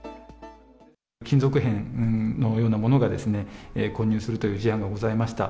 金属片のようなものが混入するという事案がございました。